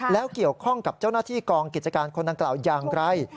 แล้วเกี่ยวข้องกับเจ้าหน้าที่กองกิจการคนดังกล่าวอย่างไร